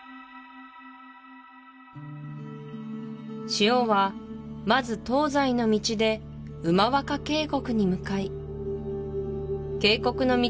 塩はまず東西の道でウマワカ渓谷に向かい渓谷の道